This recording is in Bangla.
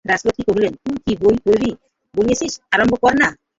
রাজলক্ষ্মী কহিলেন, তুই কী বই পড়িবি বলিয়াছিলি, আরম্ভ কর-না।